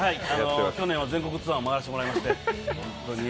去年は全国ツアーを回らせていただきまして。